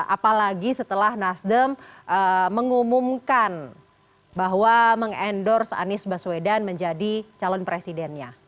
apalagi setelah nasdem mengumumkan bahwa mengendorse anies baswedan menjadi calon presidennya